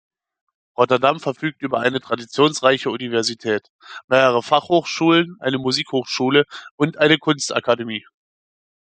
Rotterdam verfügt über eine traditionsreiche Universität, mehrere Fachhochschulen, eine Musikhochschule und eine Kunstakademie.